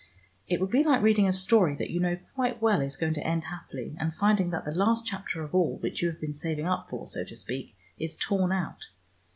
It would be like reading a story that you know quite well is going to end happily, and finding that the last chapter of all, which you have been saving up for, so to speak, is torn out.